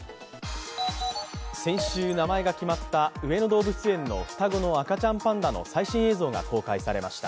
先週名前が決まった上野動物園の双子の赤ちゃんパンダの最新映像が公開されました。